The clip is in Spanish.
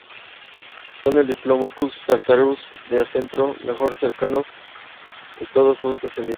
Son el "Diplodocus", el "Saltasaurus" su ancestro común más cercano y todos sus descendientes.